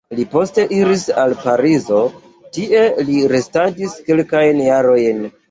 Li poste iris al Parizo, tie li restadis kelkajn jarojn.